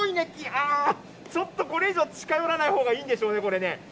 ああー、ちょっとこれ以上、近寄らないほうがいいんでしょうね、これね。